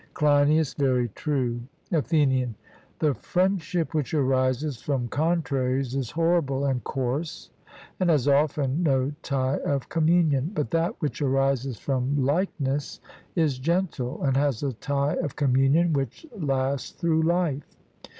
CLEINIAS: Very true. ATHENIAN: The friendship which arises from contraries is horrible and coarse, and has often no tie of communion; but that which arises from likeness is gentle, and has a tie of communion which lasts through life.